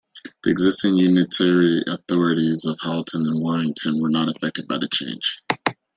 The existing unitary authorities of Halton and Warrington were not affected by the change.